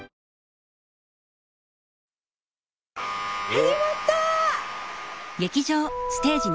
始まった！